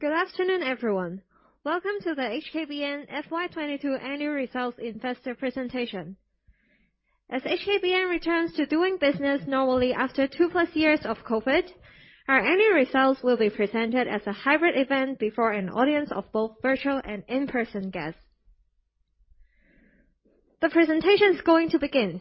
Good afternoon, everyone. Welcome to the HKBN FY 22 annual results investor presentation. As HKBN returns to doing business normally after two-plus years of COVID, our annual results will be presented as a hybrid event before an audience of both virtual and in-person guests. The presentation is going to begin.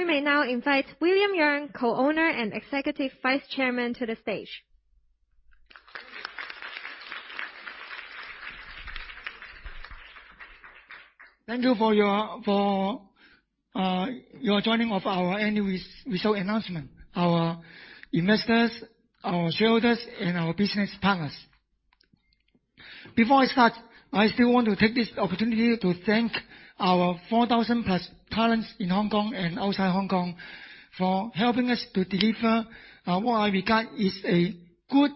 We may now invite William Yeung, Co-Owner and Executive Vice-Chairman, to the stage. Thank you for your joining of our annual result announcement, our investors, our shareholders, and our business partners. Before I start, I still want to take this opportunity to thank our 4,000+ talents in Hong Kong and outside Hong Kong for helping us to deliver what I regard is a good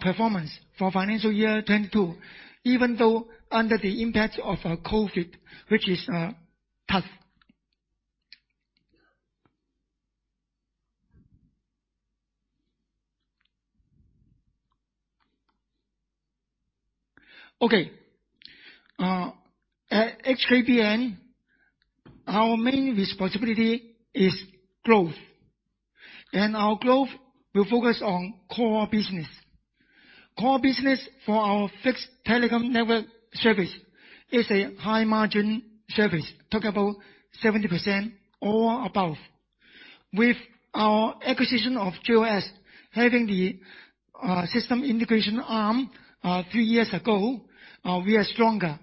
performance for financial year 2022, even though under the impact of COVID, which is tough. At HKBN, our main responsibility is growth, and our growth will focus on core business. Core business for our fixed telecom network service is a high-margin service, talk about 70% or above. With our acquisition of JOS, having the system integration arm three years ago, we are stronger,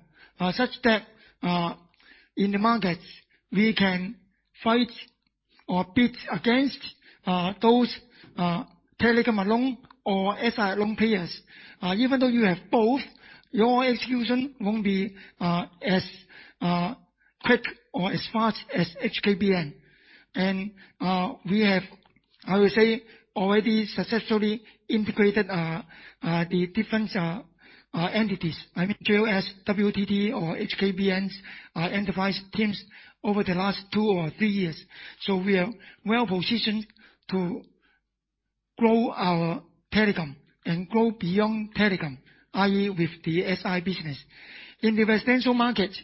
such that in the market, we can fight or bid against those telecom alone or SI alone players. Even though you have both, your execution won't be as quick or as fast as HKBN. We have, I will say, already successfully integrated the different entities. I mean, JOS, WTT, or HKBN's enterprise teams over the last two or three years. We are well-positioned to grow our telecom and grow beyond telecom, i.e., with the SI business. In the residential market,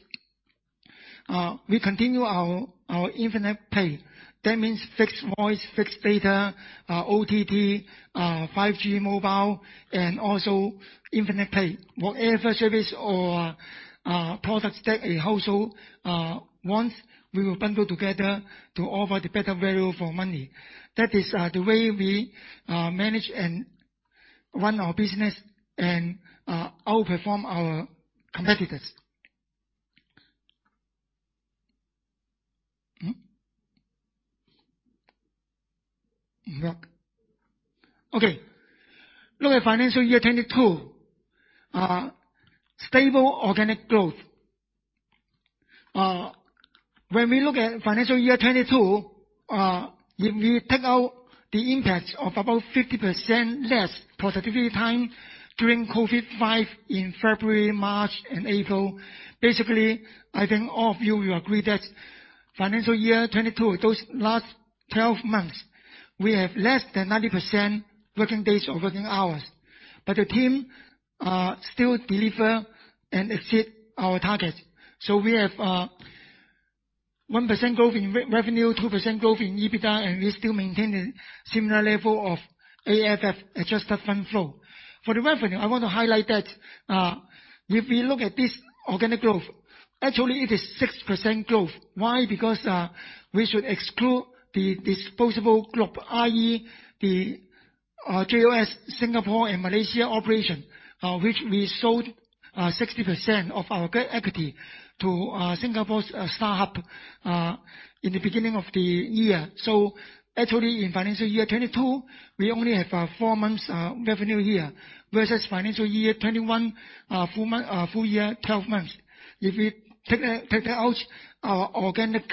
we continue our internet, pay TV. That means fixed voice, fixed data, OTT, 5G mobile, and also pay TV. Whatever service or products that a household wants, we will bundle together to offer the better value for money. That is the way we manage and run our business and outperform our competitors. Look at financial year 2022. Stable organic growth. When we look at financial year 2022, if you take out the impact of about 50% less productivity time during COVID-5 in February, March, and April, basically, I think all of you will agree that financial year 2022, those last 12 months, we have less than 90% working days or working hours. The team still deliver and exceed our targets. We have 1% growth in revenue, 2% growth in EBITDA, and we still maintain a similar level of AFF, adjusted fund flow. For the revenue, I want to highlight that, if we look at this organic growth, actually it is 6% growth. Why? Because, we should exclude the disposal group, i.e. the, JOS Singapore and Malaysia operation, which we sold, 60% of our equity to, Singapore's, StarHub, in the beginning of the year. So actually in financial year 2022, we only have, four months, revenue here versus financial year 2021, full year, 12 months. If you take that out, our organic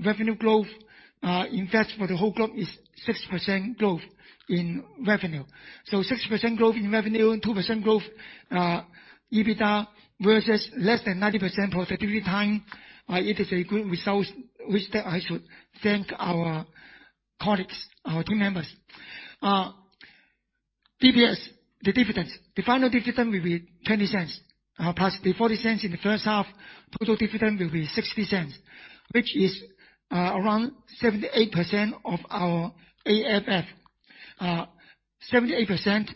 revenue growth, in fact for the whole group is 6% growth in revenue. So 6% growth in revenue and 2% growth, EBITDA versus less than 90% productivity time, it is a good result, which I should thank our colleagues, our team members. DPS, the dividends. The final dividend will be 0.20, plus the 0.40 in the first half. Total dividend will be 0.60, which is around 78% of our AFF. 78%,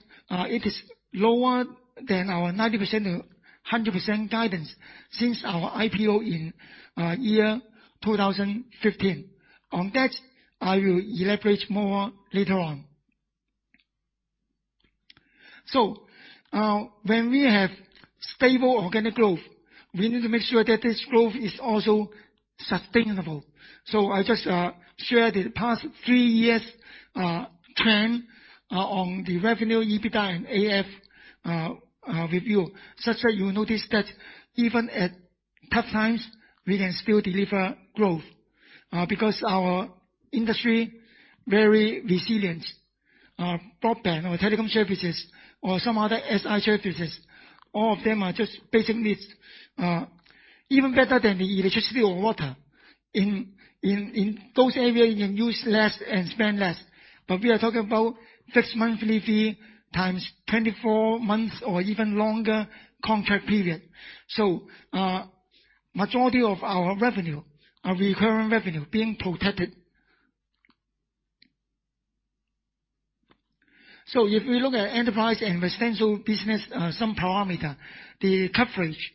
it is lower than our 90%-100% guidance since our IPO in year 2015. On that, I will elaborate more later on. When we have stable organic growth, we need to make sure that this growth is also sustainable. I just share the past three years trend on the revenue, EBITDA, and AFF with you. So that you'll notice that even at tough times, we can still deliver growth, because our industry very resilient. Broadband or telecom services or some other SI services, all of them are just basic needs. Even better than the electricity or water. In those areas, you can use less and spend less. We are talking about fixed monthly fee times 24 months or even longer contract period. Majority of our revenue, our recurring revenue being protected. If you look at enterprise and residential business, some parameter, the coverage,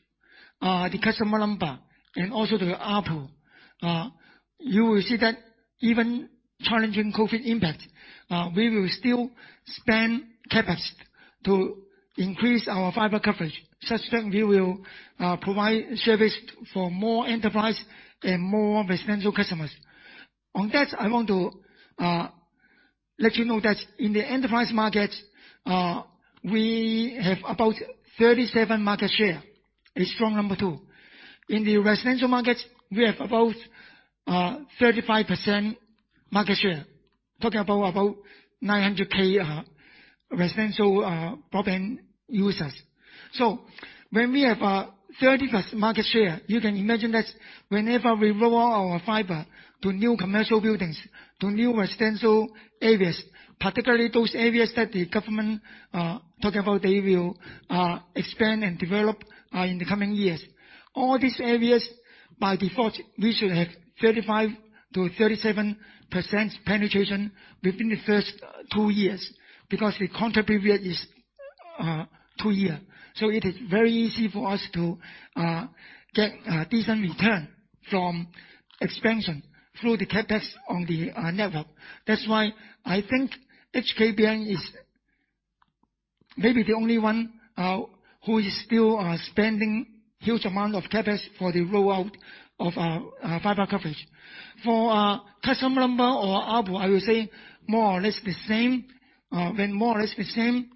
the customer number, and also the ARPU, you will see that even challenging COVID impact, we will still spend CapEx to increase our fiber coverage, such that we will provide service for more enterprise and more residential customers. On that, I want to let you know that in the enterprise market, we have about 37% market share, a strong number two. In the residential market, we have about 35% market share, talking about 900,000 residential broadband users. When we have 30+% market share, you can imagine that whenever we roll out our fiber to new commercial buildings, to new residential areas, particularly those areas that the government talking about they will expand and develop in the coming years. All these areas, by default, we should have 35%-37% penetration within the first two years because the contract period is two years. It is very easy for us to get decent return from expansion through the CapEx on the network. That's why I think HKBN is maybe the only one who is still spending huge amount of CapEx for the rollout of fiber coverage. For customer number or ARPU, I will say more or less the same. When more or less the same,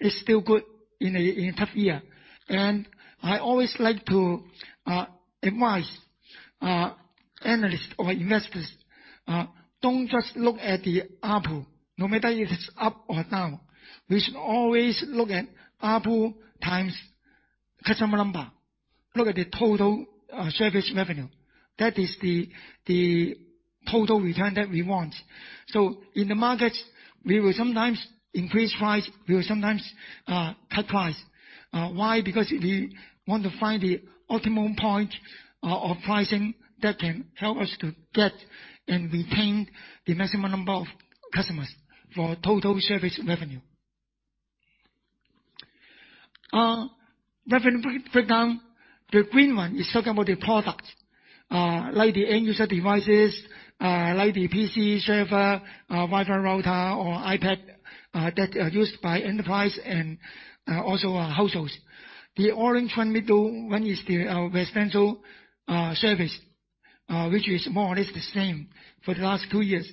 it's still good in a tough year. I always like to advise analysts or investors, don't just look at the ARPU. No matter if it's up or down, we should always look at ARPU times customer number. Look at the total service revenue. That is the total return that we want. In the markets, we will sometimes increase price, we will sometimes cut price. Why? Because we want to find the optimum point of pricing that can help us to get and retain the maximum number of customers for total service revenue. Revenue breakdown. The green one is talking about the products, like the end user devices, like the PC server, Wi-Fi router or iPad, that are used by enterprise and also households. The orange one, middle one is the residential service, which is more or less the same for the last two years.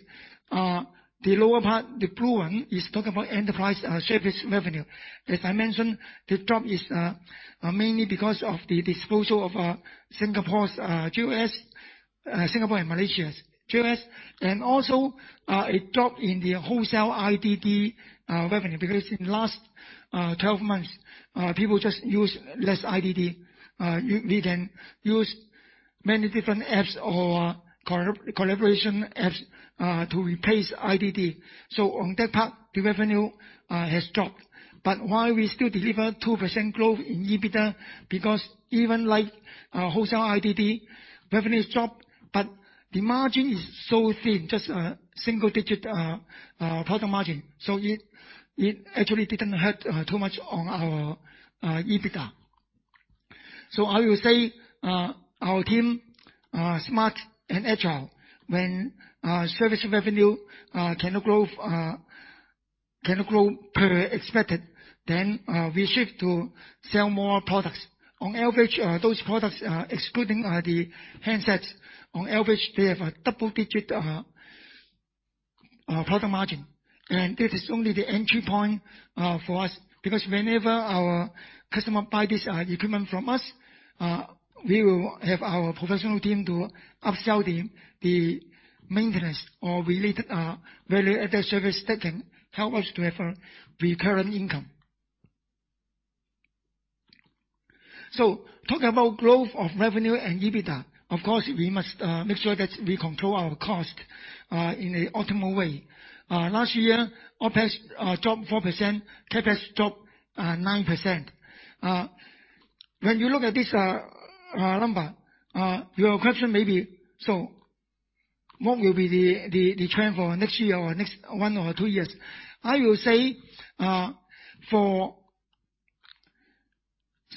The lower part, the blue one, is talking about enterprise service revenue. As I mentioned, the drop is mainly because of the disposal of Singapore's JOS, Singapore and Malaysia's JOS. Also, a drop in the wholesale IDD revenue because in last 12 months, people just use less IDD. We can use many different apps or collaboration apps to replace IDD. On that part, the revenue has dropped. While we still deliver 2% growth in EBITDA because even like our wholesale IDD revenues drop, but the margin is so thin, just a single-digit product margin. It actually didn't hurt too much on our EBITDA. I will say our team are smart and agile. When our service revenue cannot grow as expected, then we shift to sell more products. On average, those products, excluding the handsets, on average, they have a double-digit product margin. That is only the entry point for us. Because whenever our customer buy this equipment from us, we will have our professional team to upsell the maintenance or related value-added service that can help us to have a recurring income. Talk about growth of revenue and EBITDA. Of course, we must make sure that we control our cost in a optimal way. Last year, OpEx dropped 4%, CapEx dropped 9%. When you look at this number, your question may be, so what will be the trend for next year or next one or two years? I will say, for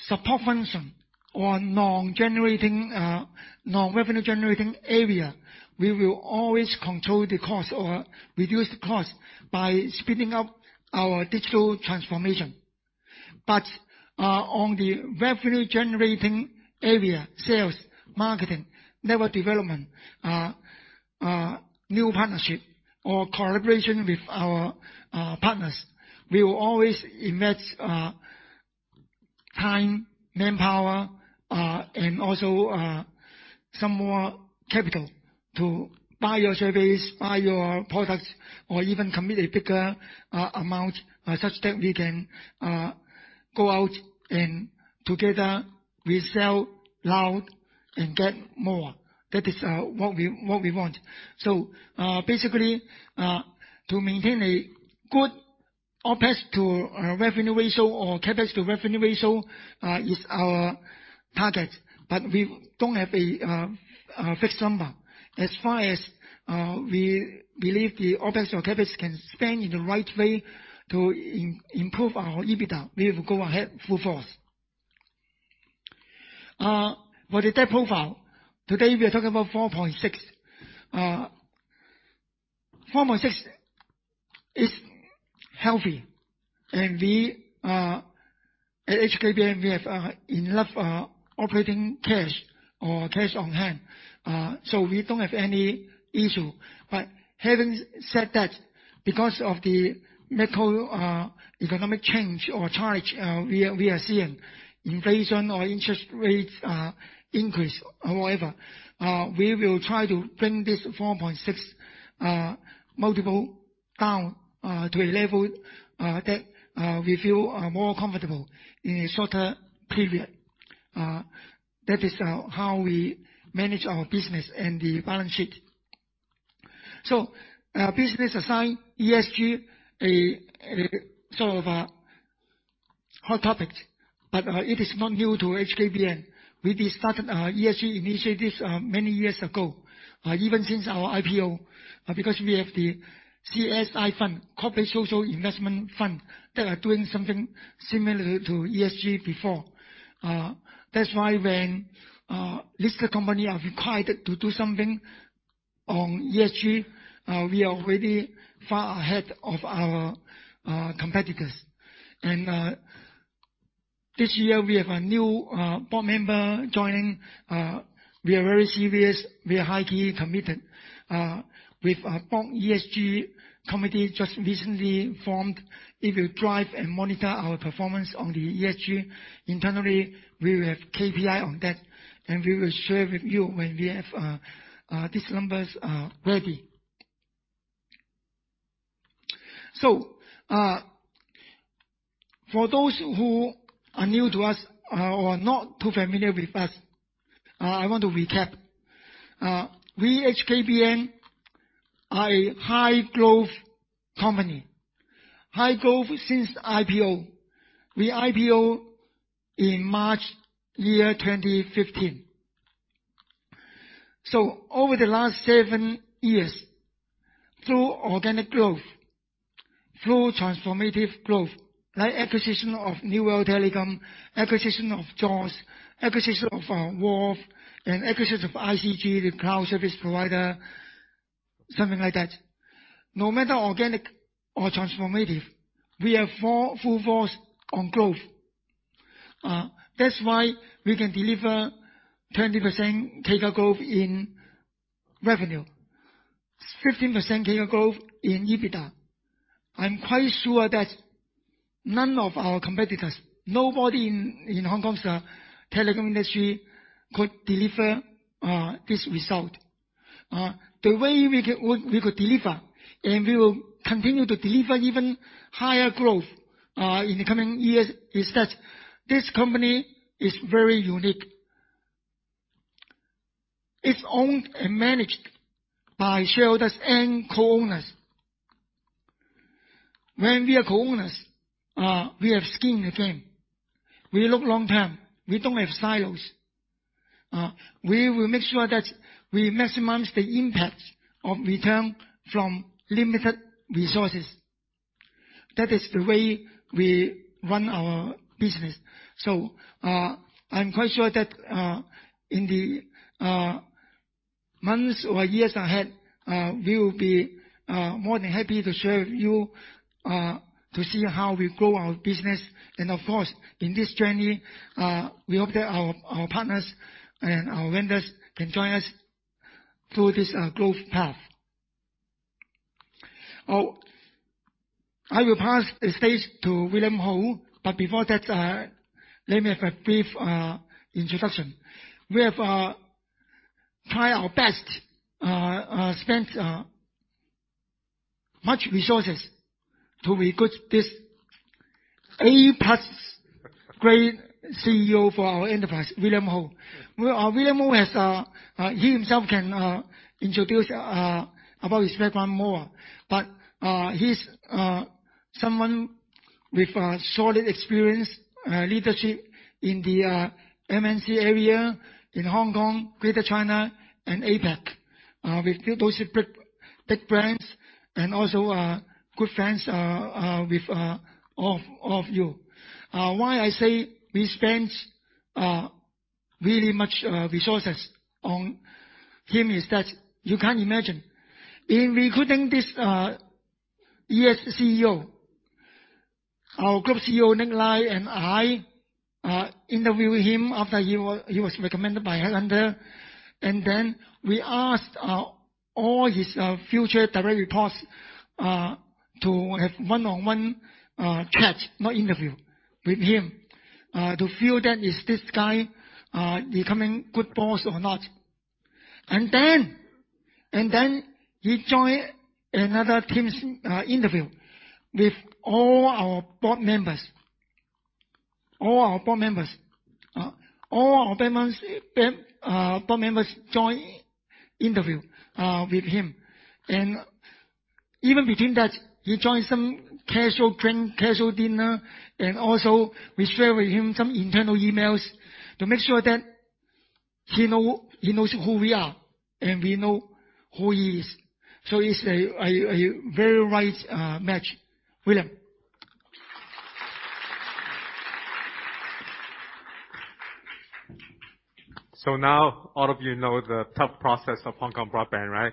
support function or non-generating non-revenue generating area, we will always control the cost or reduce the cost by speeding up our digital transformation. On the revenue generating area, sales, marketing, network development, new partnership or collaboration with our partners, we will always invest time, manpower, and also some more capital to buy your service, buy your products, or even commit a bigger amount such that we can go out and together resell cloud and get more. That is what we want. Basically, to maintain a good OpEx to revenue ratio or CapEx to revenue ratio is our target, but we don't have a fixed number. As far as we believe the OpEx or CapEx can be spent in the right way to improve our EBITDA, we will go ahead full force. For the debt profile, today we are talking about 4.6. 4.6 is healthy and we are. At HKBN, we have enough operating cash or cash on hand. We don't have any issue. Having said that, because of the macroeconomic change or shock, we are seeing inflation and interest rates increase, however. We will try to bring this 4.6x multiple down to a level that we feel more comfortable in a shorter period. That is how we manage our business and the balance sheet. Businesses are seeing ESG as a sort of hot topic, but it is not new to HKBN. We started our ESG initiatives many years ago, even since our IPO. Because we have the CSI Fund, Corporate Social Investment Fund, that is doing something similar to ESG before. That's why when listed company are required to do something on ESG, we are already far ahead of our competitors. This year we have a new board member joining. We are very serious. We are highly committed. With our board ESG committee just recently formed, it will drive and monitor our performance on the ESG. Internally, we will have KPI on that, and we will share with you when we have these numbers ready. For those who are new to us or not too familiar with us, I want to recap. We HKBN are a high-growth company. High growth since IPO. We IPO in March 2015. Over the last seven years, through organic growth, through transformative growth, like acquisition of New World Telecommunications, acquisition of JOS, acquisition of WTT, and acquisition of I Consulting Group, the cloud service provider, something like that. No matter organic or transformative, we are full force on growth. That's why we can deliver 20% CAGR growth in revenue, 15% CAGR growth in EBITDA. I'm quite sure that none of our competitors, nobody in Hong Kong's telecom industry could deliver this result. The way we could deliver, and we will continue to deliver even higher growth in the coming years, is that this company is very unique. It's owned and managed by shareholders and co-owners. When we are co-owners, we have skin in the game. We look long-term. We don't have silos. We will make sure that we maximize the impact of return from limited resources. That is the way we run our business. I'm quite sure that in the months or years ahead, we will be more than happy to share with you to see how we grow our business. Of course, in this journey, we hope that our partners and our vendors can join us through this growth path. I will pass the stage to William Ho. Before that, let me have a brief introduction. We have tried our best to spend much resources to recruit this A-plus grade CEO for our enterprise, William Ho. William Ho, he himself can introduce about his background more. He's someone with a solid experience, leadership in the MNC area in Hong Kong, Greater China and APAC. We built those big brands and also good friends with all of you. Why I say we spent really much resources on him is that you can't imagine. In recruiting this ES CEO, our group CEO, NiQ Lai and I interview him after he was recommended by headhunter. We asked all his future direct reports to have one-on-one chat, not interview, with him to feel that is this guy becoming good boss or not. He join another team's interview with all our board members. All our board members board members join interview with him. Even between that, he joined some casual drink, casual dinner, and also we share with him some internal emails to make sure that he knows who we are and we know who he is. It's a very right match. William. Now all of you know the tough process of Hong Kong Broadband Network, right?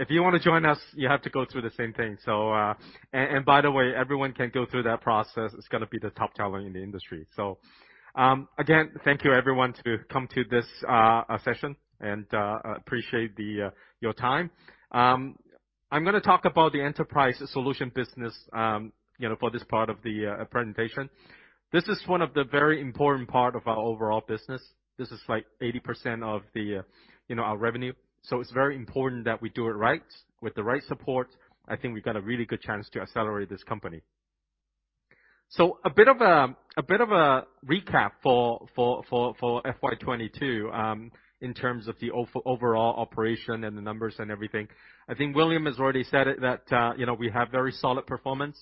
If you wanna join us, you have to go through the same thing. By the way, everyone can go through that process is gonna be the top talent in the industry. Again, thank you everyone to come to this session, and I appreciate your time. I'm gonna talk about the Enterprise Solutions business, you know, for this part of the presentation. This is one of the very important part of our overall business. This is like 80% of, you know, our revenue. It's very important that we do it right. With the right support, I think we've got a really good chance to accelerate this company. A bit of a recap for FY 2022, in terms of the overall operation and the numbers and everything. I think William has already said it that, you know, we have very solid performance.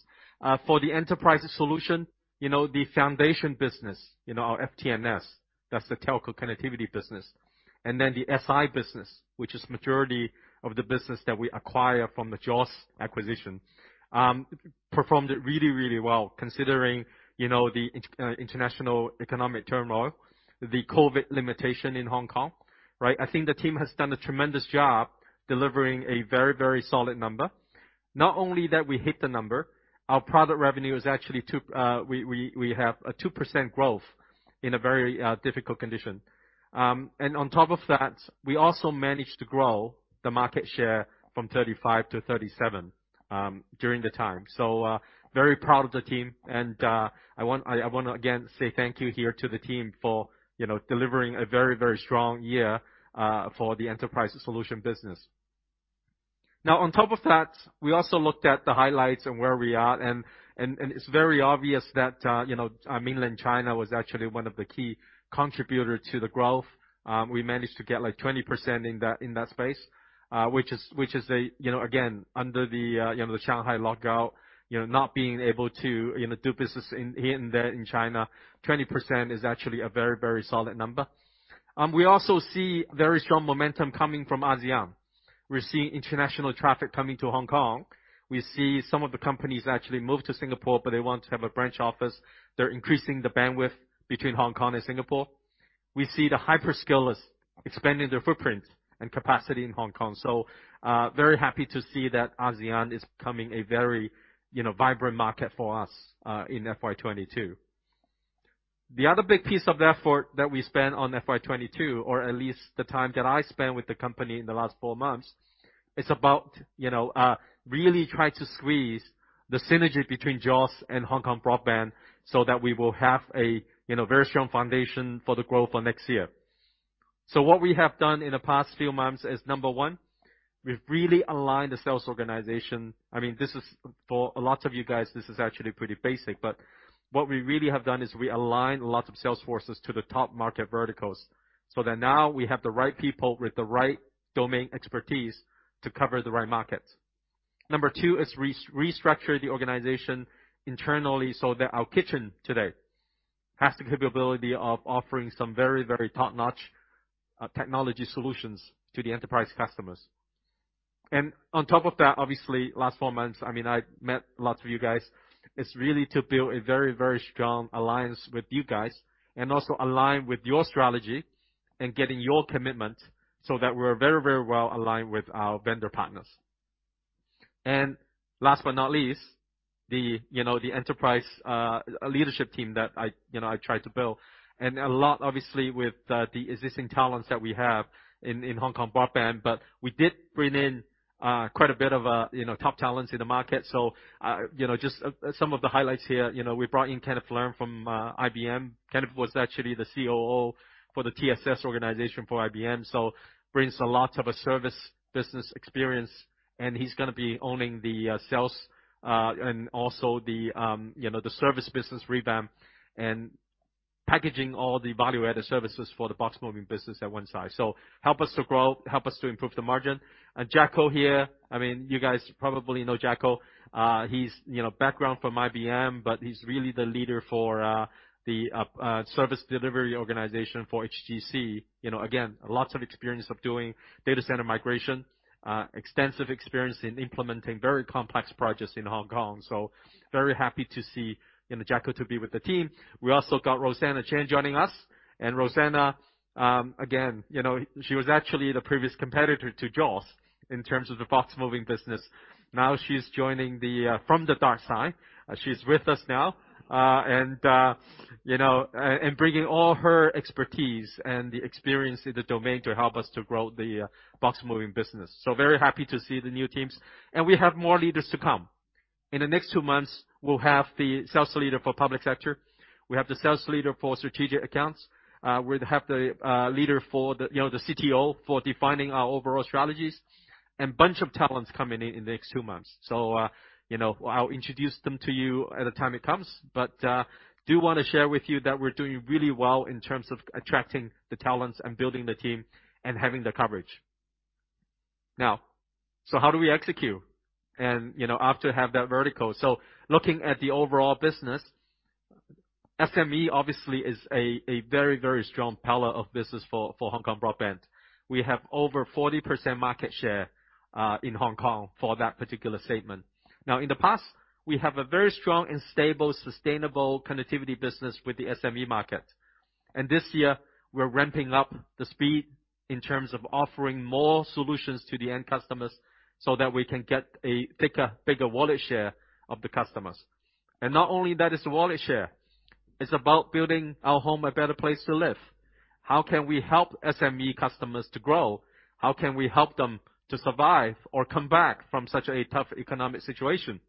For the enterprise solution, you know, the foundation business, you know, our FTNS, that's the telco connectivity business. Then the SI business, which is majority of the business that we acquire from the JOS acquisition, performed really well considering, you know, the international economic turmoil, the COVID limitation in Hong Kong, right? I think the team has done a tremendous job delivering a very solid number. Not only that we hit the number, our product revenue actually has a 2% growth in a very difficult condition. On top of that, we also managed to grow the market share from 35% to 37% during the time. Very proud of the team. I want to again say thank you here to the team for, you know, delivering a very, very strong year for the enterprise solution business. Now, on top of that, we also looked at the highlights and where we are. It's very obvious that, you know, Mainland China was actually one of the key contributor to the growth. We managed to get like 20% in that space, which is a, you know, again, under the, you know, the Shanghai lockout, you know, not being able to, you know, do business in, here and there in China, 20% is actually a very, very solid number. We also see very strong momentum coming from ASEAN. We're seeing international traffic coming to Hong Kong. We see some of the companies actually move to Singapore, but they want to have a branch office. They're increasing the bandwidth between Hong Kong and Singapore. We see the hyperscalers expanding their footprint and capacity in Hong Kong. Very happy to see that ASEAN is becoming a very, you know, vibrant market for us in FY 2022. The other big piece of the effort that we spent on FY 2022, or at least the time that I spent with the company in the last four months, is about, you know, really try to squeeze the synergy between JOS and Hong Kong Broadband so that we will have a, you know, very strong foundation for the growth for next year. What we have done in the past few months is, number one, we've really aligned the sales organization. I mean, this is for a lot of you guys, this is actually pretty basic. What we really have done is realigned lots of sales forces to the top market verticals, so that now we have the right people with the right domain expertise to cover the right market. Number two is restructure the organization internally so that our kitchen today has the capability of offering some very, very top-notch technology solutions to the enterprise customers. On top of that, obviously, last four months, I mean, I met lots of you guys, is really to build a very, very strong alliance with you guys and also align with your strategy and getting your commitment so that we're very, very well aligned with our vendor partners. Last but not least, you know, the enterprise leadership team that I, you know, I tried to build, and a lot obviously with the existing talents that we have in Hong Kong Broadband. We did bring in quite a bit of, you know, top talents in the market. You know, just some of the highlights here. You know, we brought in Kenneth Leung from IBM. Kenneth was actually the COO for the TSS organization for IBM, so brings a lot of a service business experience, and he's gonna be owning the sales and also the you know, the service business revamp and packaging all the value-added services for the box moving business at one side. Help us to grow, help us to improve the margin. Jacky Ko here, I mean, you guys probably know Jacky Ko. He's you know, background from IBM, but he's really the leader for the service delivery organization for HGC. You know, again, lots of experience of doing data center migration, extensive experience in implementing very complex projects in Hong Kong. Very happy to see you know, Jacky Ko to be with the team. We also got Almira Chan joining us. Almira Chan, again, you know, she was actually the previous competitor to JOS in terms of the box moving business. Now she's joining from the dark side. She's with us now, and, you know, and bringing all her expertise and the experience in the domain to help us to grow the box moving business. Very happy to see the new teams. We have more leaders to come. In the next two months, we'll have the sales leader for public sector. We have the sales leader for strategic accounts. We'd have the leader for the, you know, the CTO for defining our overall strategies. Bunch of talents coming in the next two months. You know, I'll introduce them to you at the time it comes. I do wanna share with you that we're doing really well in terms of attracting the talents and building the team and having the coverage. Now, how do we execute? You know, after have that vertical. Looking at the overall business, SME obviously is a very, very strong pillar of business for Hong Kong Broadband. We have over 40% market share in Hong Kong for that particular segment. Now, in the past, we have a very strong and stable, sustainable connectivity business with the SME market. This year, we're ramping up the speed in terms of offering more solutions to the end customers so that we can get a thicker, bigger wallet share of the customers. Not only that is the wallet share, it's about building our home a better place to live. How can we help SME customers to grow? How can we help them to survive or come back from such a tough economic situation?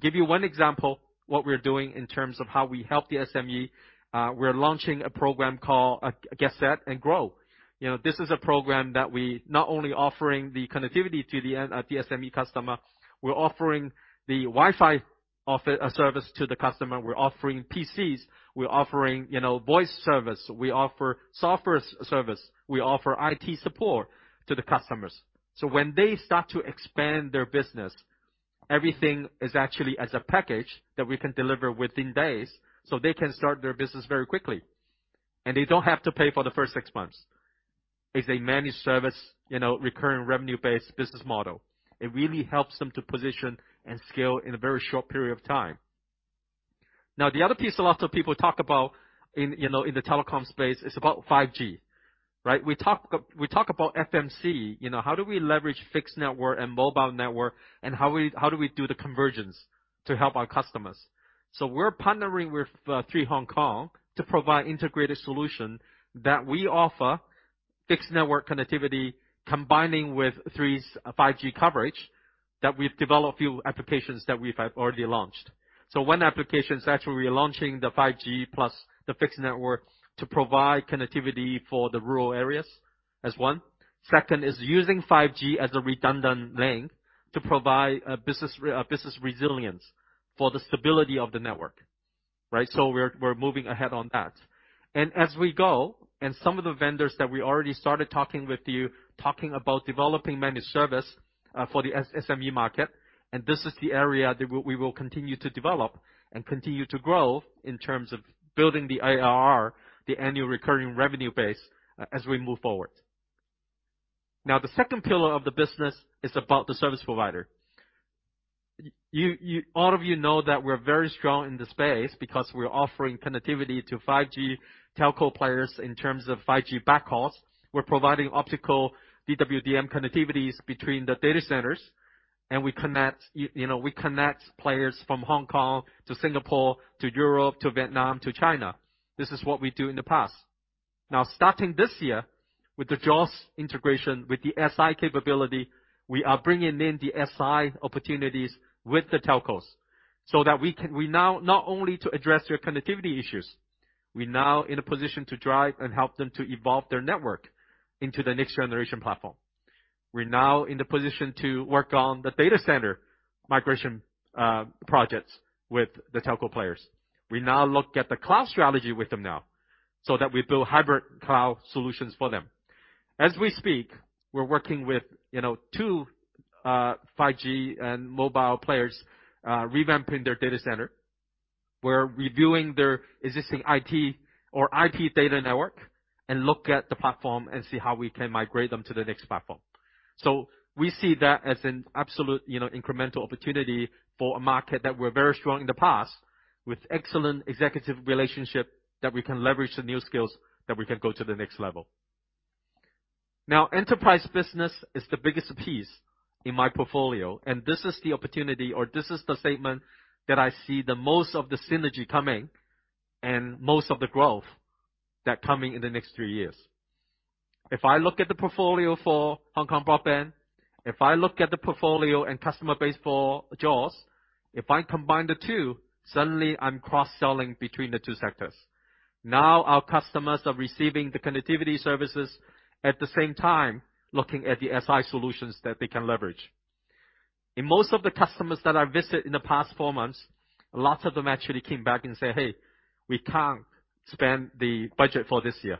Give you one example, what we're doing in terms of how we help the SME. We're launching a program called, Get, Set, Go. You know, this is a program that we not only offering the connectivity to the end, the SME customer, we're offering the Wi-Fi offer, service to the customer. We're offering PCs. We're offering, you know, voice service. We offer software service. We offer IT support to the customers. So when they start to expand their business, everything is actually as a package that we can deliver within days, so they can start their business very quickly. They don't have to pay for the first six months. It's a managed service, you know, recurring revenue-based business model. It really helps them to position and scale in a very short period of time. Now, the other piece a lot of people talk about in, you know, in the telecom space is about 5G, right? We talk about FMC, you know. How do we leverage fixed network and mobile network, and how do we do the convergence to help our customers? We're partnering with 3 Hong Kong to provide integrated solution that we offer fixed network connectivity, combining with 3's 5G coverage that we've developed few applications that we've already launched. One application is actually relaunching the 5G plus the fixed network to provide connectivity for the rural areas as one. Second is using 5G as a redundant link to provide business resilience for the stability of the network, right? We're moving ahead on that. As we go, some of the vendors that we already started talking with you, talking about developing managed service for the SME market, and this is the area that we will continue to develop and continue to grow in terms of building the ARR, the annual recurring revenue base, as we move forward. Now, the second pillar of the business is about the service provider. All of you know that we're very strong in the space because we're offering connectivity to 5G telco players in terms of 5G backhauls. We're providing optical DWDM connectivities between the data centers, and we connect, you know, players from Hong Kong to Singapore, to Europe, to Vietnam, to China. This is what we do in the past. Now, starting this year with the JOS integration, with the SI capability, we are bringing in the SI opportunities with the telcos, so that we now not only to address their connectivity issues, we're now in a position to drive and help them to evolve their network into the next generation platform. We're now in the position to work on the data center migration projects with the telco players. We now look at the cloud strategy with them now, so that we build hybrid cloud solutions for them. As we speak, we're working with, you know, two 5G and mobile players revamping their data center. We're reviewing their existing IT or IT data network and look at the platform and see how we can migrate them to the next platform. We see that as an absolute, you know, incremental opportunity for a market that we're very strong in the past with excellent executive relationship that we can leverage the new skills that we can go to the next level. Now, enterprise business is the biggest piece in my portfolio, and this is the opportunity, or this is the statement that I see the most of the synergy coming and most of the growth that coming in the next three years. If I look at the portfolio for Hong Kong Broadband, if I look at the portfolio and customer base for JOS, if I combine the two, suddenly I'm cross-selling between the two sectors. Now, our customers are receiving the connectivity services at the same time looking at the SI solutions that they can leverage. In most of the customers that I visit in the past four months, lots of them actually came back and say, "Hey, we can't spend the budget for this year."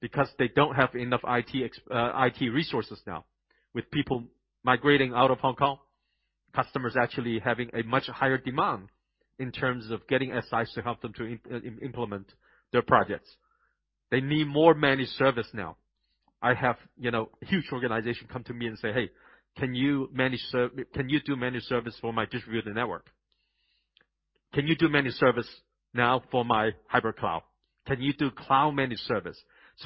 Because they don't have enough IT resources now. With people migrating out of Hong Kong, customers actually having a much higher demand in terms of getting SIs to help them to implement their projects. They need more managed service now. I have, you know, huge organization come to me and say, "Hey, can you do managed service for my distributed network? Can you do managed service now for my hybrid cloud? Can you do cloud-managed service?"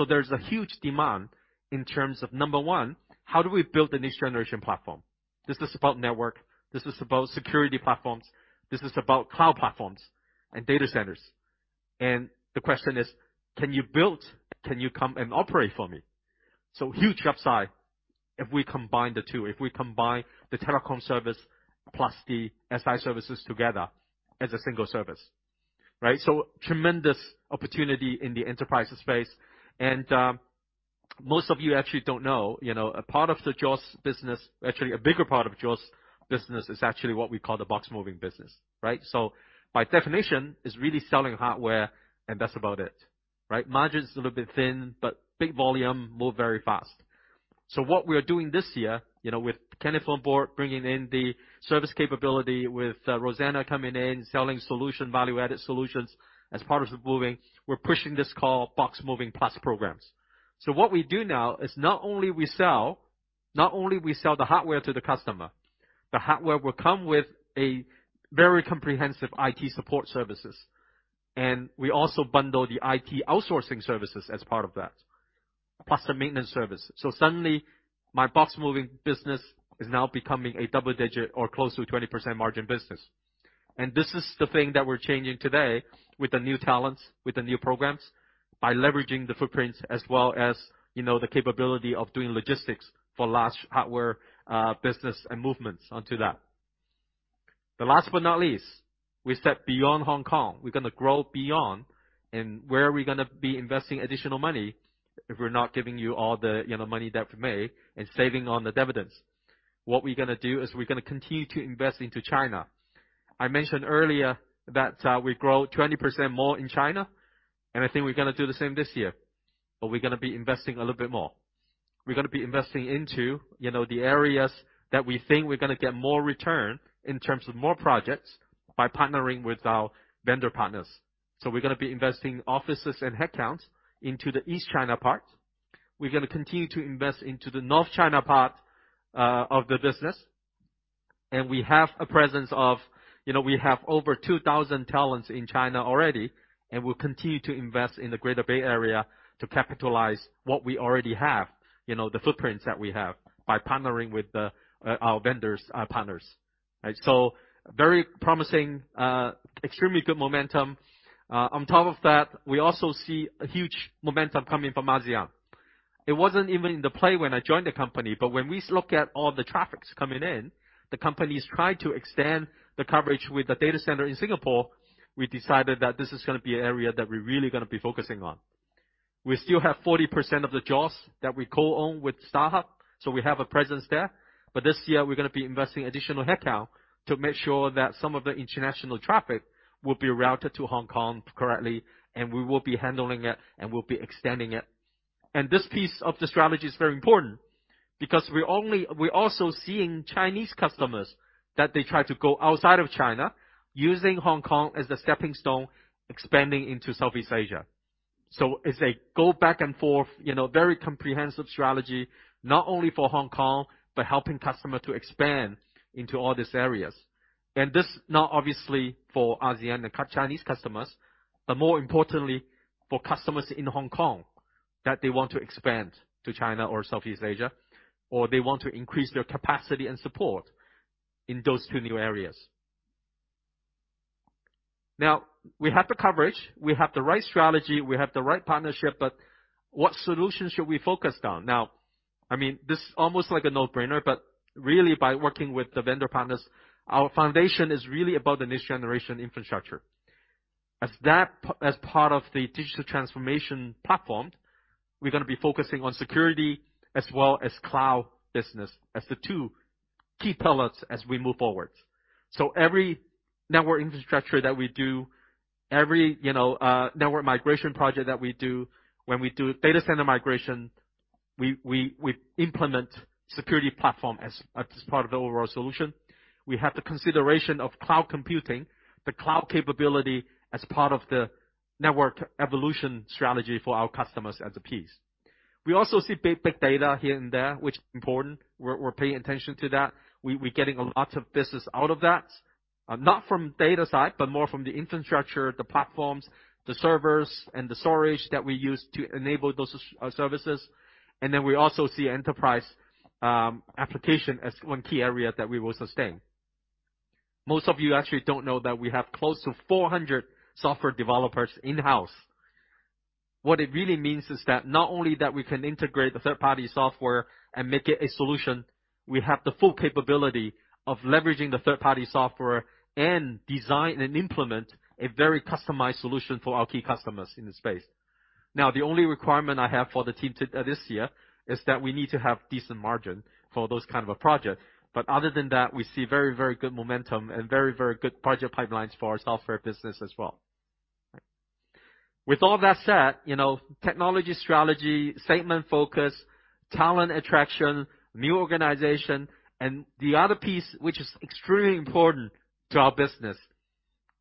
There's a huge demand in terms of, number one, how do we build the next generation platform? This is about network. This is about security platforms. This is about cloud platforms and data centers. The question is, "Can you build? Can you come and operate for me?" Huge upside if we combine the two, if we combine the telecom service plus the SI services together as a single service, right? Tremendous opportunity in the enterprise space. Most of you actually don't know, you know, a part of the JOS business, actually, a bigger part of JOS business is actually what we call the box moving business, right? By definition, it's really selling hardware, and that's about it, right? Margin's a little bit thin, but big volume move very fast. What we are doing this year, you know, with Kenny on board, bringing in the service capability with Rosana coming in, selling solution, value-added solutions as part of the moving, we're pushing this so-called box moving plus programs. What we do now is not only we sell the hardware to the customer. The hardware will come with a very comprehensive IT support services. We also bundle the IT outsourcing services as part of that, plus the maintenance service. Suddenly, my box moving business is now becoming a double-digit or close to 20% margin business. This is the thing that we're changing today with the new talents, with the new programs, by leveraging the footprints as well as, you know, the capability of doing logistics for large hardware business and movements onto that. Last but not least, we set foot beyond Hong Kong. We're gonna grow beyond, and where are we gonna be investing additional money if we're not giving you all the, you know, money that we made and saving on the dividends? What we're gonna do is we're gonna continue to invest into China. I mentioned earlier that we grow 20% more in China, and I think we're gonna do the same this year, but we're gonna be investing a little bit more. We're gonna be investing into, you know, the areas that we think we're gonna get more return in terms of more projects by partnering with our vendor partners. We're gonna be investing offices and headcounts into the East China part. We're gonna continue to invest into the North China part of the business. We have a presence of, you know, we have over 2,000 talents in China already, and we'll continue to invest in the Greater Bay area to capitalize what we already have, you know, the footprints that we have by partnering with our vendors, our partners. Very promising, extremely good momentum. On top of that, we also see a huge momentum coming from ASEAN. It wasn't even in the play when I joined the company, but when we look at all the traffics coming in, the company's tried to extend the coverage with the data center in Singapore. We decided that this is gonna be an area that we're really gonna be focusing on. We still have 40% of the JOS that we co-own with StarHub, so we have a presence there. This year, we're gonna be investing additional headcount to make sure that some of the international traffic will be routed to Hong Kong correctly, and we will be handling it and we'll be extending it. This piece of the strategy is very important because we're also seeing Chinese customers that they try to go outside of China using Hong Kong as the stepping stone expanding into Southeast Asia. It's a go back and forth, you know, very comprehensive strategy, not only for Hong Kong, but helping customer to expand into all these areas. This not obviously for ASEAN and Chinese customers, but more importantly for customers in Hong Kong that they want to expand to China or Southeast Asia, or they want to increase their capacity and support in those two new areas. Now, we have the coverage, we have the right strategy, we have the right partnership, but what solution should we focus on? Now, I mean, this is almost like a no-brainer, but really by working with the vendor partners, our foundation is really about the next generation infrastructure. As part of the digital transformation platform, we're gonna be focusing on security as well as cloud business as the two key pillars as we move forward. Every network infrastructure that we do, every, you know, network migration project that we do, when we do data center migration, we implement security platform as part of the overall solution. We have the consideration of cloud computing, the cloud capability as part of the network evolution strategy for our customers as a piece. We also see big data here and there, which is important. We're paying attention to that. We're getting a lot of business out of that, not from data side, but more from the infrastructure, the platforms, the servers and the storage that we use to enable those services. We also see enterprise application as one key area that we will sustain. Most of you actually don't know that we have close to 400 software developers in-house. What it really means is that not only that we can integrate the third-party software and make it a solution, we have the full capability of leveraging the third-party software and design and implement a very customized solution for our key customers in the space. Now, the only requirement I have for the team this year is that we need to have decent margin for those kind of a project. Other than that, we see very, very good momentum and very, very good project pipelines for our software business as well. With all that said, you know, technology strategy, segment focus, talent attraction, new organization, and the other piece which is extremely important to our business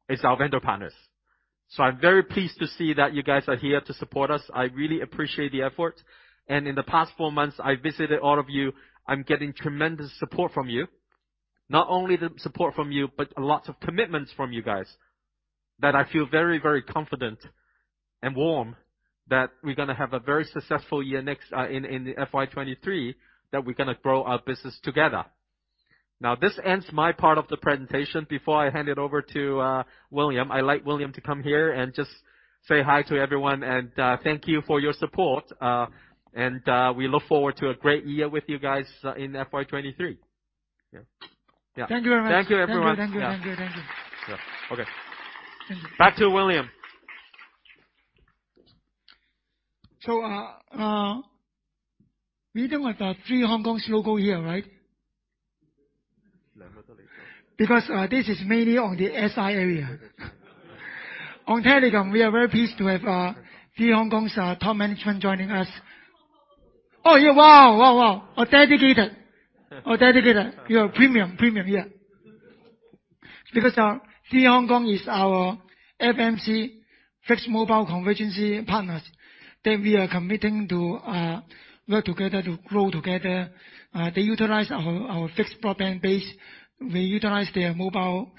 is our vendor partners. I'm very pleased to see that you guys are here to support us. I really appreciate the effort. In the past four months, I visited all of you. I'm getting tremendous support from you. Not only the support from you, but lots of commitments from you guys that I feel very, very confident and warm that we're gonna have a very successful year next, in the FY 2023, that we're gonna grow our business together. Now this ends my part of the presentation. Before I hand it over to William, I like William to come here and just say hi to everyone and thank you for your support. We look forward to a great year with you guys in FY 2023. Yeah. Thank you very much. Thank you everyone. Thank you. Yeah. Okay. Back to William. We don't have 3 Hong Kong logo here, right? Because this is mainly on the SI area. On telecom, we are very pleased to have 3 Hong Kong's top management joining us. Oh, yeah. Wow. A dedicated. You are premium, yeah. Because 3 Hong Kong is our FMC fixed mobile convergence partners that we are committing to work together to grow together. They utilize our fixed broadband base. We utilize their mobile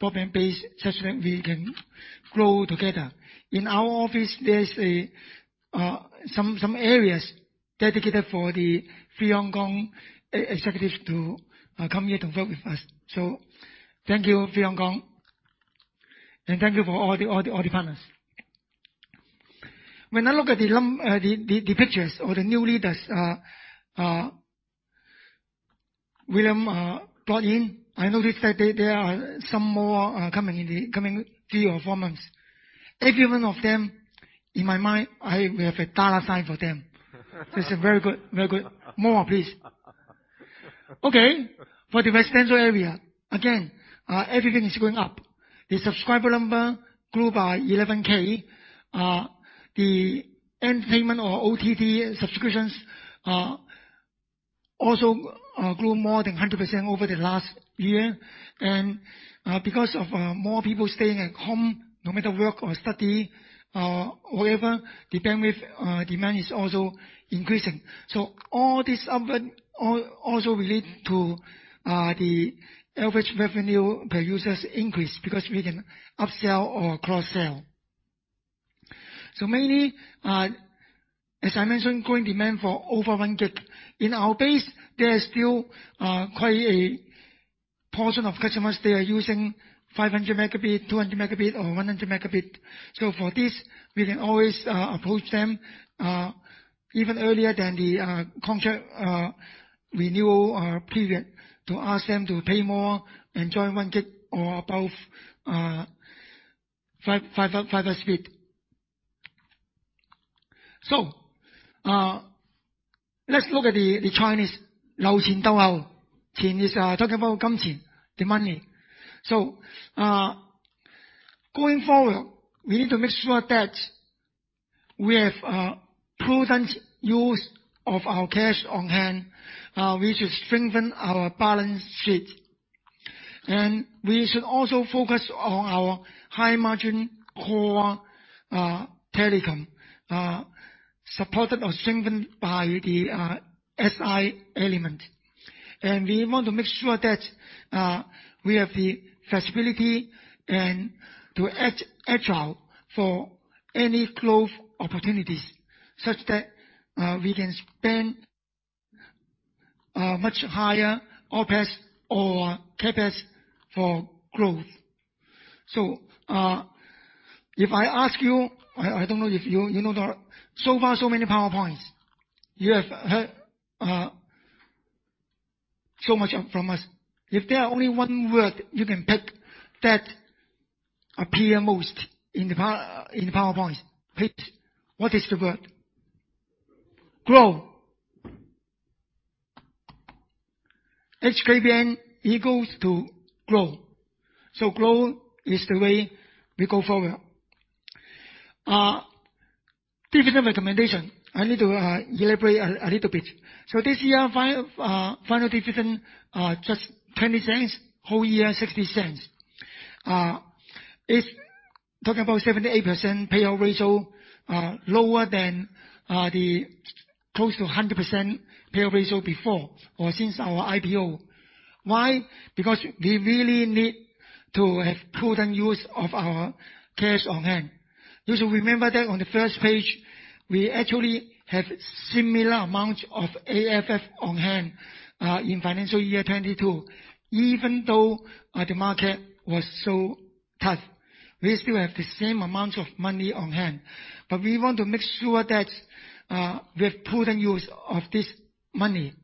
broadband base such that we can grow together. In our office, there's some areas dedicated for the 3 Hong Kong executives to come here to work with us. Thank you 3 Hong Kong. Thank you for all the partners. When I look at the num... The pictures of the new leaders William brought in, I noticed that they are some more coming in the coming three or four months. Every one of them, in my mind, I will have a dollar sign for them. This is very good. More, please. Okay. For the residential area, again, everything is going up. The subscriber number grew by 11K. The entertainment or OTT subscriptions also grew more than 100% over the last year. Because of more people staying at home, no matter work or study, however, the bandwidth demand is also increasing. All these upward also relate to the average revenue per users increase because we can upsell or cross-sell. Mainly, as I mentioned, growing demand for over one gig. In our base, there are still quite a portion of customers. They are using 500 megabit, 200 megabit, or 100 megabit. For this, we can always approach them even earlier than the contract renewal period to ask them to pay more, enjoy one gig or above, fiber speed. Let's look at the Chinese「留錢逗猴」. 錢 is talking about 金錢, the money. Going forward, we need to make sure that we have prudent use of our cash on hand. We should strengthen our balance sheet. We should also focus on our high-margin core telecom, supported or strengthened by the SI element. We want to make sure that we have the flexibility and to act agile for any growth opportunities such that we can spend much higher OpEx or CapEx for growth. If I ask you, I don't know if you know. So far, so many PowerPoints. You have heard so much from us. If there are only one word you can pick that appear most in the PowerPoints, please, what is the word? Grow. Grow. HKBN equals growth. Grow is the way we go forward. Dividend recommendation. I need to elaborate a little bit. This year, final dividend just 0.20, whole year 0.60. If talking about 78% payout ratio, lower than the close to 100% payout ratio before or since our IPO. Why? Because we really need to have prudent use of our cash on hand. You should remember that on the first page, we actually have similar amount of AFF on hand in financial year 2022. Even though the market was so tough, we still have the same amount of money on hand. We want to make sure that we have prudent use of this money.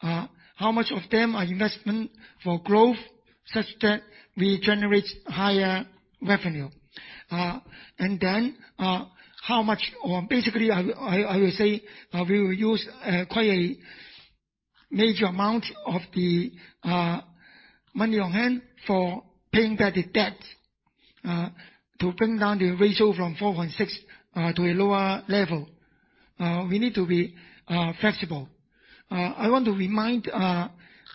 How much of them are investment for growth such that we generate higher revenue? I will say we will use quite a major amount of the money on hand for paying back the debt to bring down the ratio from 4.6 to a lower level. We need to be flexible. I want to remind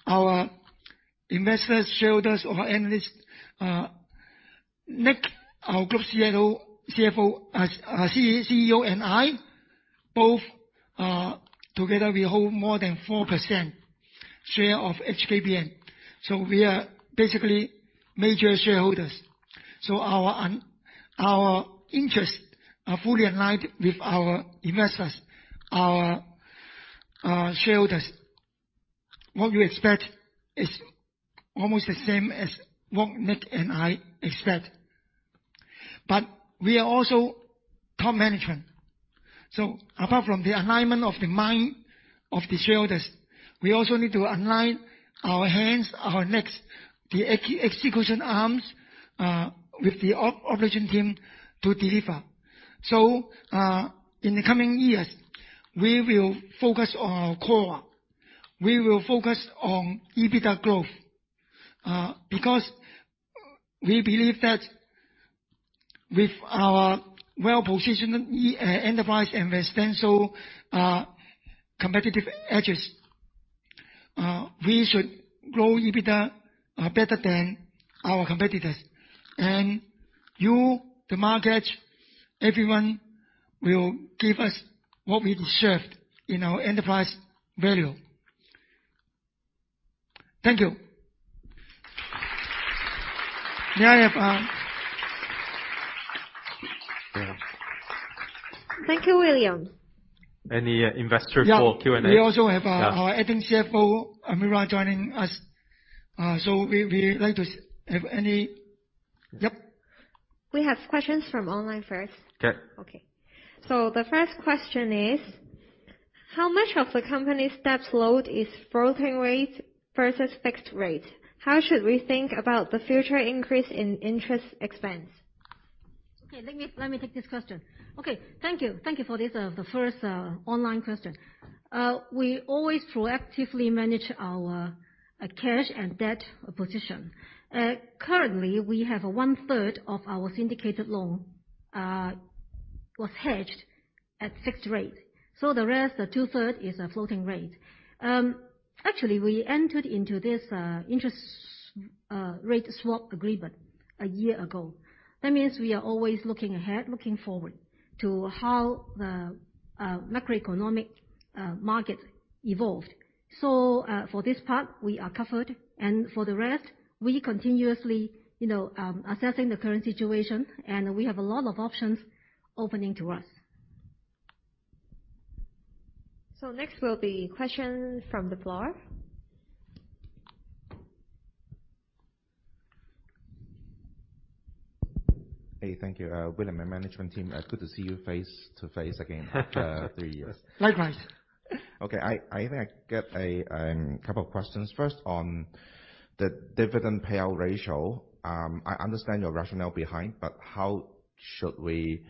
our investors, shareholders or analysts, NiQ, our group CEO and I, both together we hold more than 4% share of HKBN. We are basically major shareholders. Our interests are fully aligned with our investors, our shareholders. What we expect is almost the same as what NiQ and I expect. We are also top management. Apart from the alignment of the mind of the shareholders, we also need to align our hands, our necks, the execution arms, with the operation team to deliver. In the coming years, we will focus on our core. We will focus on EBITDA growth, because we believe that with our well-positioned enterprise and essential competitive edges, we should grow EBITDA better than our competitors. You, the market, everyone will give us what we deserve in our enterprise value. Thank you. May I have Thank you, William. Any investor for Q&A? Yeah. We also have our acting CFO, Almira, joining us. We like to have any. Yep. We have questions from online first. Okay. Okay. The first question is, how much of the company's debt load is floating rate versus fixed rate? How should we think about the future increase in interest expense? Okay, let me take this question. Thank you. Thank you for this, the first, online question. We always proactively manage our cash and debt position. Currently, we have one-third of our syndicated loan was hedged at fixed rate. The rest, the two-thirds, is a floating rate. Actually, we entered into this interest rate swap agreement a year ago. That means we are always looking ahead, looking forward to how the macroeconomic market evolved. For this part, we are covered. For the rest, we continuously, you know, assessing the current situation, and we have a lot of options open to us. Next will be question from the floor. Hey, thank you. William and management team, good to see you face-to-face again after three years. Likewise. Okay, I think I get a couple of questions. First on the dividend payout ratio. I understand your rationale behind, but how should we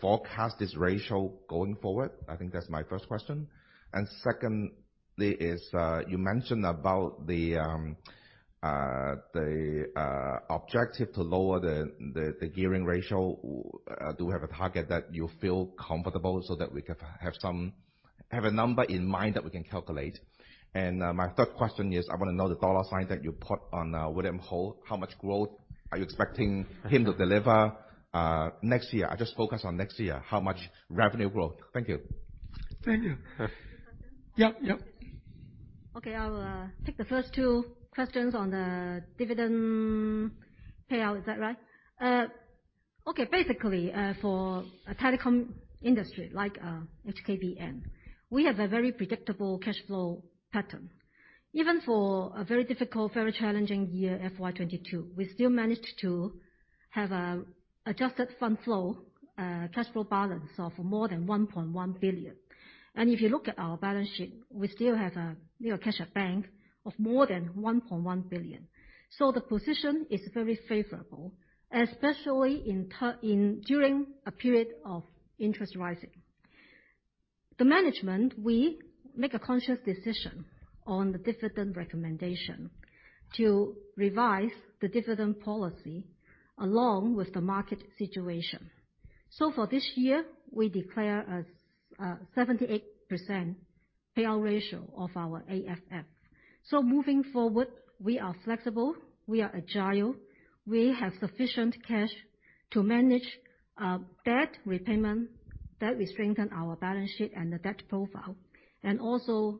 forecast this ratio going forward? I think that's my first question. Secondly is, you mentioned about the objective to lower the gearing ratio. Do we have a target that you feel comfortable so that we could have a number in mind that we can calculate? My third question is, I wanna know the dollar sign that you put on William Ho. How much growth are you expecting him to deliver next year? I just focus on next year. How much revenue growth? Thank you. Thank you. Any question? Yep. Yep. Okay. I'll take the first two questions on the dividend payout. Is that right? Okay. Basically, for a telecom industry like HKBN, we have a very predictable cash flow pattern. Even for a very difficult, very challenging year, FY 2022, we still managed to have adjusted fund flow cash flow balance of more than 1.1 billion. If you look at our balance sheet, we still have net cash at bank of more than 1.1 billion. The position is very favorable, especially during a period of interest rates rising. The management, we make a conscious decision on the dividend recommendation to revise the dividend policy along with the market situation. For this year, we declare a 78% payout ratio of our AFF. Moving forward, we are flexible, we are agile, we have sufficient cash to manage debt repayment, strengthen our balance sheet and the debt profile, and also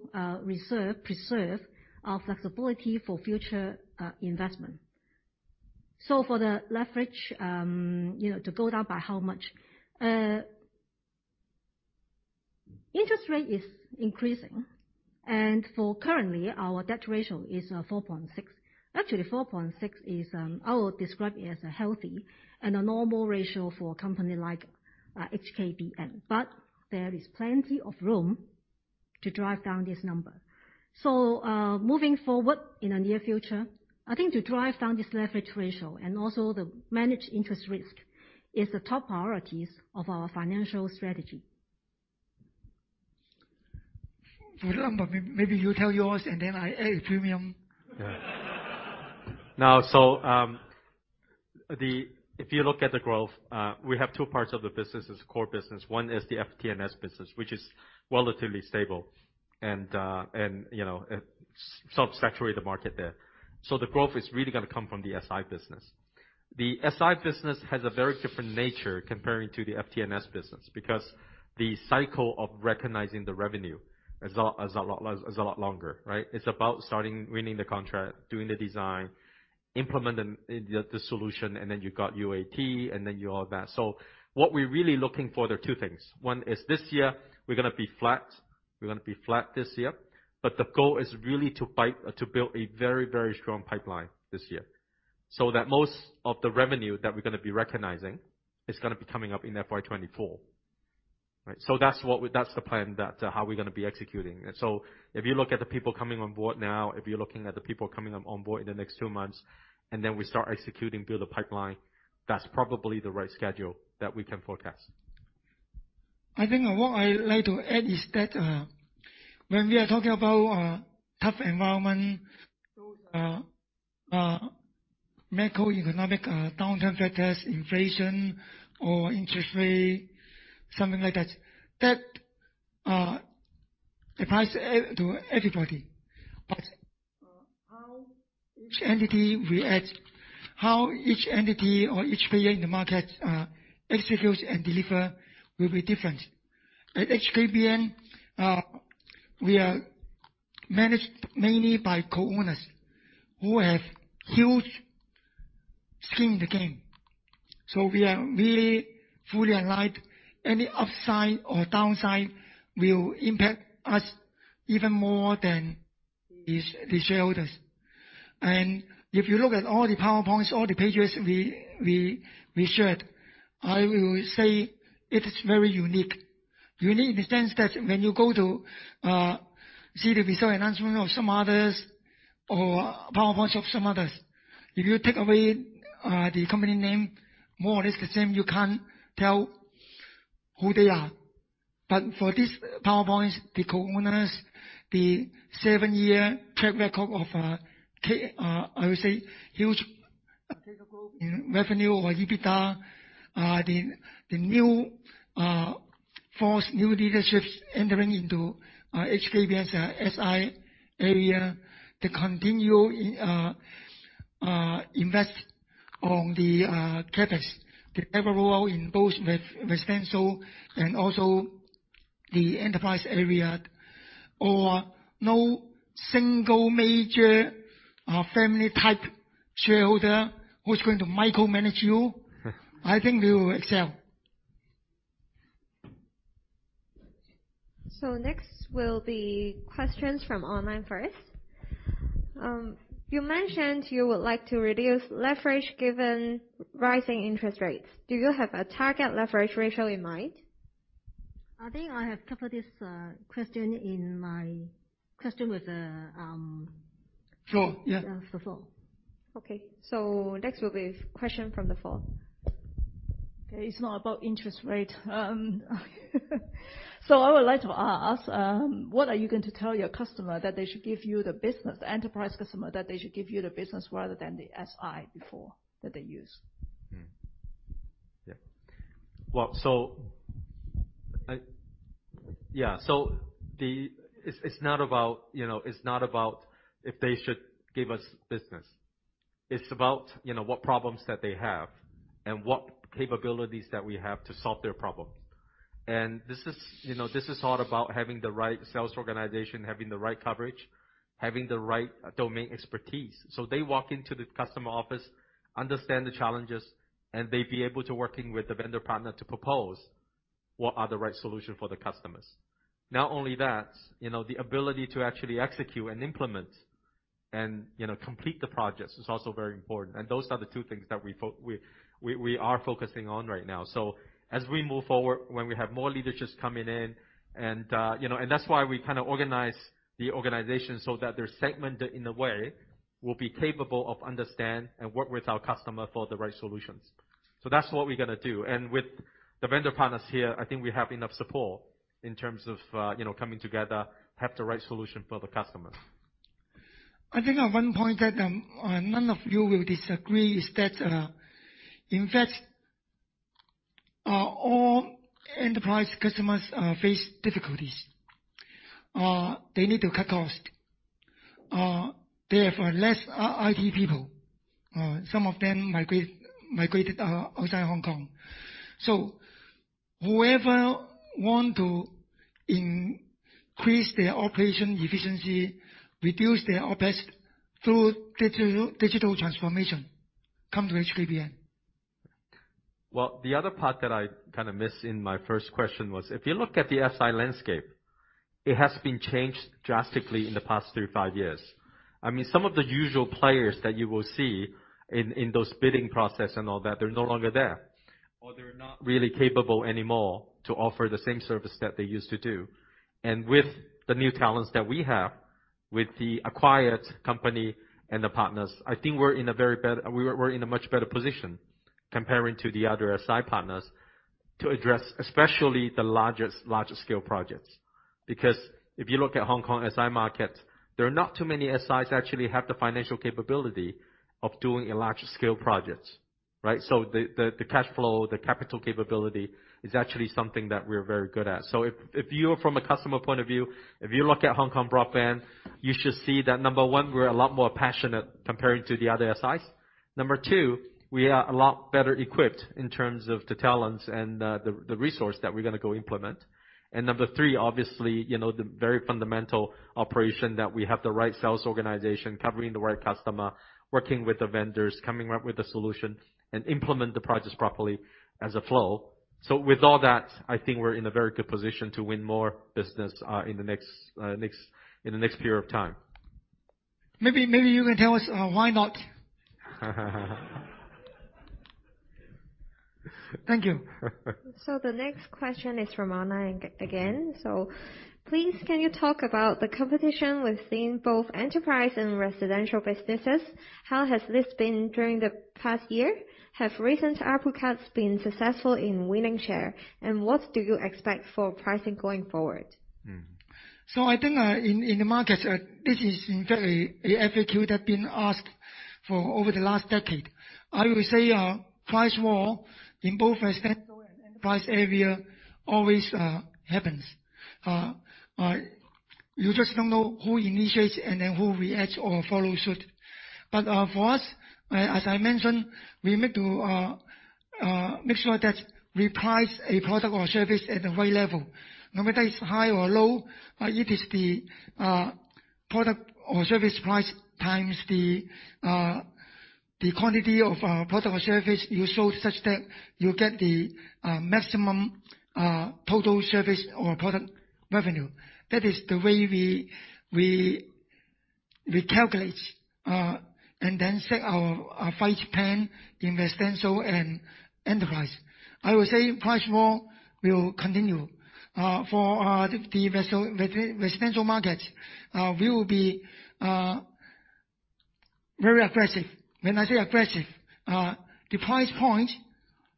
preserve our flexibility for future investment. For the leverage, you know, to go down by how much? Interest rate is increasing. Currently, our debt ratio is 4.6. Actually, 4.6 is. I will describe it as a healthy and a normal ratio for a company like HKBN. There is plenty of room to drive down this number. Moving forward in the near future, I think to drive down this leverage ratio and also to manage interest risk is the top priorities of our financial strategy. For number, maybe you tell yours and then I add a premium. If you look at the growth, we have two parts of the business as core business. One is the FTNS business, which is relatively stable, and you know, saturated the market there. The growth is really gonna come from the SI business. The SI business has a very different nature comparing to the FTNS business because the cycle of recognizing the revenue is a lot longer, right? It's about starting winning the contract, doing the design, implementing the solution, and then you've got UAT, and then all that. What we're really looking for are two things. One is this year we're gonna be flat, but the goal is really to build a very, very strong pipeline this year. That most of the revenue that we're gonna be recognizing is gonna be coming up in FY 2024. Right. That's what that's the plan that how we're gonna be executing. If you look at the people coming on board now, if you're looking at the people coming on board in the next two months, and then we start executing, build a pipeline, that's probably the right schedule that we can forecast. I think what I'd like to add is that, when we are talking about, tough environment, macroeconomic, downturn factors, inflation or interest rate, something like that applies to everybody. How each entity react, how each entity or each player in the market, executes and deliver will be different. At HKBN, we are managed mainly by co-owners who have huge skin in the game. We are really fully aligned. Any upside or downside will impact us even more than the shareholders. If you look at all the PowerPoints, all the pages we shared, I will say it is very unique. Unique in the sense that when you go to see the result announcement of some others or PowerPoints of some others, if you take away the company name, more or less the same, you can't tell who they are. For these PowerPoints, the co-owners, the seven-year track record of, I will say, huge CAGR in revenue or EBITDA, the new forceful new leadership entering into HKBN's SI area to continue invest in the CapEx, the level rollout in both residential and also the enterprise area, or no single major family type shareholder who's going to micromanage you, I think we will excel. Next will be questions from online first. You mentioned you would like to reduce leverage given rising interest rates. Do you have a target leverage ratio in mind? I think I have covered this question in my question with. Sure. Yeah. Yeah, the floor. Okay. Next will be question from the floor. Okay. It's not about interest rate. I would like to ask, what are you going to tell your customer that they should give you the business, the enterprise customer, that they should give you the business rather than the SI before that they use? It's not about, you know, if they should give us business. It's about, you know, what problems that they have and what capabilities that we have to solve their problems. This is, you know, this is all about having the right sales organization, having the right coverage, having the right domain expertise. They walk into the customer office, understand the challenges, and they'd be able to, working with the vendor partner to propose what are the right solution for the customers. Not only that, you know, the ability to actually execute and implement and, you know, complete the projects is also very important. Those are the two things that we are focusing on right now. As we move forward, when we have more leadership coming in and, you know, and that's why we kinda organize the organization so that they're segmented in a way, we'll be capable of understand and work with our customer for the right solutions. That's what we're gonna do. With the vendor partners here, I think we have enough support in terms of, you know, coming together, have the right solution for the customers. I think one point that none of you will disagree is that in fact all enterprise customers face difficulties. They need to cut cost. They have less IT people. Some of them migrated outside Hong Kong. Whoever want to increase their operation efficiency, reduce their OpEx through digital transformation, come to HKBN. Well, the other part that I kinda missed in my first question was, if you look at the SI landscape, it has been changed drastically in the past three, five years. I mean, some of the usual players that you will see in those bidding process and all that, they're no longer there, or they're not really capable anymore to offer the same service that they used to do. With the new talents that we have, with the acquired company and the partners, I think we're in a much better position comparing to the other SI partners to address especially the largest scale projects. Because if you look at Hong Kong SI market, there are not too many SIs that actually have the financial capability of doing a large scale projects, right? The cash flow, the capital capability is actually something that we're very good at. If you are from a customer point of view, if you look at Hong Kong Broadband, you should see that, number one, we're a lot more passionate comparing to the other SIs. Number two, we are a lot better equipped in terms of the talents and the resource that we're gonna go implement. Number three, obviously, you know, the very fundamental operation that we have the right sales organization covering the right customer, working with the vendors, coming up with a solution, and implement the projects properly as a flow. With all that, I think we're in a very good position to win more business in the next period of time. Maybe you can tell us, why not. Thank you. The next question is from online again. Please, can you talk about the competition within both enterprise and residential businesses? How has this been during the past year? Have recent ARPU cuts been successful in winning share? And what do you expect for pricing going forward? I think in the markets, this is in fact a FAQ that's been asked for over the last decade. I would say price war in both residential and enterprise area always happens. You just don't know who initiates and then who reacts or follows suit. For us, as I mentioned, we need to make sure that we price a product or service at the right level, no matter if it's high or low. It is the product or service price times the quantity of our product or service you sold such that you get the maximum total service or product revenue. That is the way we calculate and then set our price plan in residential and enterprise. I would say price war will continue. For the residential markets, we will be very aggressive. When I say aggressive, the price point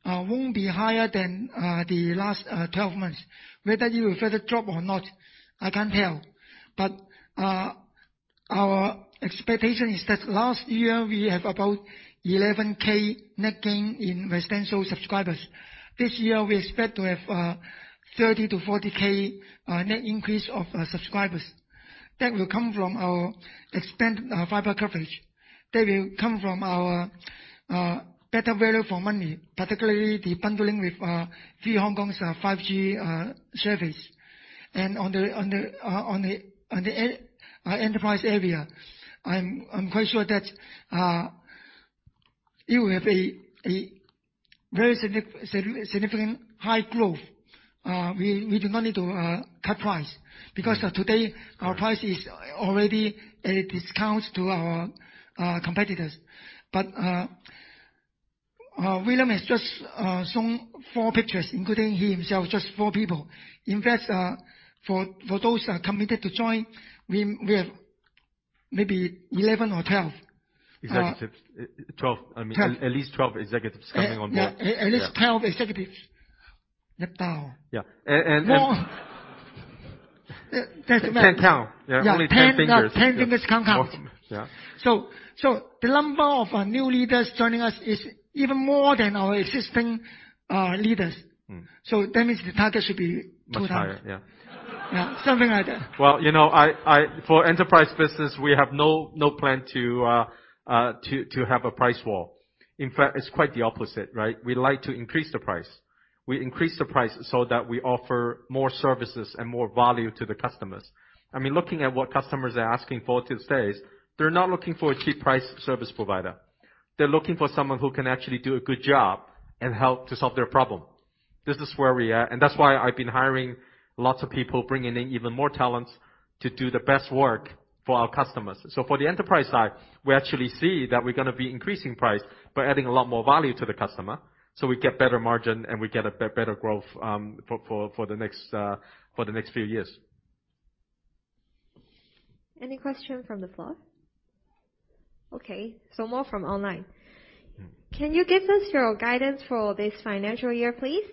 won't be higher than the last 12 months. Whether it will further drop or not, I can't tell. Our expectation is that last year we have about 11K net gain in residential subscribers. This year we expect to have 30-40K net increase of subscribers. That will come from our expanded fiber coverage. That will come from our better value for money, particularly the bundling with free HKBN's 5G service. On the enterprise area, I'm quite sure that it will have a very significant high growth. We do not need to cut price, because today our price is already at a discount to our competitors. William has just shown four pictures, including he himself, just four people. In fact, for those committed to join, we have maybe 11 or 12. Executive. 12. Twelve. I mean, at least 12 executives coming on board. Yeah. At least twelve executives. Yeah. More. 10 count. Yeah. Only ten fingers. Yeah, 10 fingers count. Yeah. The number of new leaders joining us is even more than our existing leaders. Mm. That means the target should be 2000. Much higher, yeah. Yeah, something like that. Well, you know, for enterprise business, we have no plan to have a price war. In fact, it's quite the opposite, right? We like to increase the price. We increase the price so that we offer more services and more value to the customers. I mean, looking at what customers are asking for these days, they're not looking for a cheap price service provider. They're looking for someone who can actually do a good job and help to solve their problem. This is where we are at, and that's why I've been hiring lots of people, bringing in even more talents to do the best work for our customers. For the enterprise side, we actually see that we're gonna be increasing price by adding a lot more value to the customer, so we get better margin and we get a better growth, for the next few years. Any question from the floor? Okay, more from online. Mm. Can you give us your guidance for this financial year, please?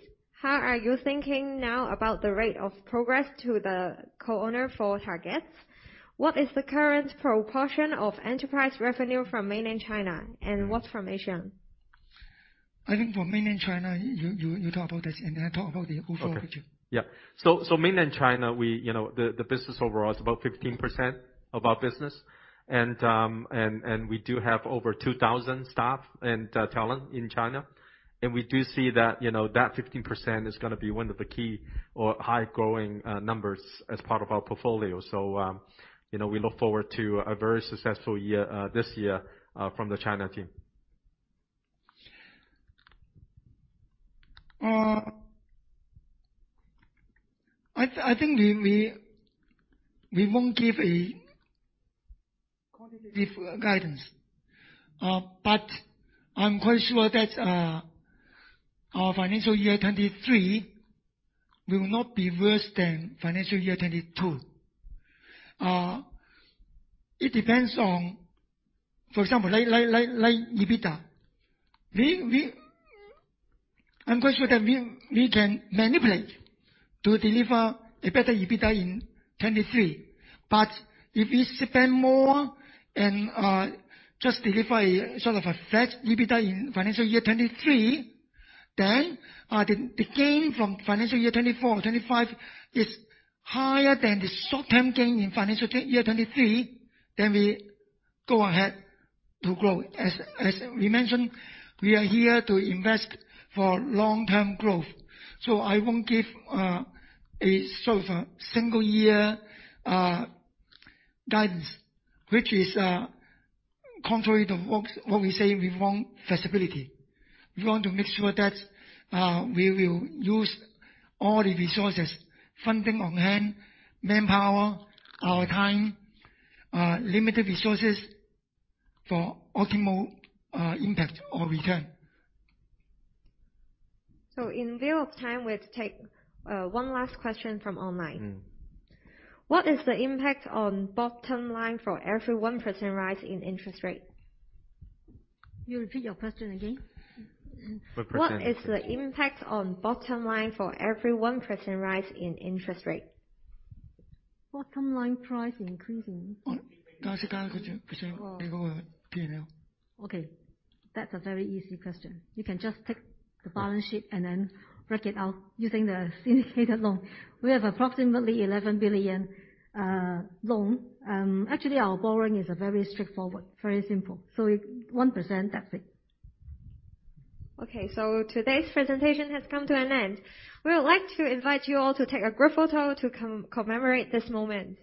How are you thinking now about the rate of progress to the Co-Owner's targets? What is the current proportion of enterprise revenue from mainland China? Mm. What's from Asia? I think for mainland China, you talk about this, and then I talk about the overall picture. Mainland China, you know, the business overall is about 15% of our business. We do have over 2,000 staff and talent in China. We do see that, you know, that 15% is gonna be one of the key or high growing numbers as part of our portfolio. You know, we look forward to a very successful year, this year, from the China team. I think we won't give Quantitative Guidance. I'm quite sure that our financial year 2023 will not be worse than financial year 2022. It depends on, for example, like EBITDA. I'm quite sure that we can manipulate to deliver a better EBITDA in 2023. If we spend more and just deliver a sort of a flat EBITDA in financial year 2023, then the gain from financial year 2024 or 2025 is higher than the short-term gain in financial year 2023. We go ahead to grow. As we mentioned, we are here to invest for long-term growth. I won't give a sort of a single year guidance, which is contrary to what we say we want flexibility. We want to make sure that we will use all the resources, funding on hand, manpower, our time, limited resources for optimal impact or return. In view of time, we have to take one last question from online. Mm. What is the impact on bottom line for every 1% rise in interest rate? Can you repeat your question again? 1%. What is the impact on bottom line for every 1% rise in interest rate? Bottom line price increasing. Okay. That's a very easy question. You can just take the balance sheet and then break it out using the syndicated loan. We have approximately 11 billion loan. Actually, our borrowing is very straightforward, very simple. 1%, that's it. Today's presentation has come to an end. We would like to invite you all to take a group photo to commemorate this moment.